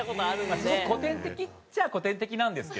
すごく古典的っちゃ古典的なんですけど。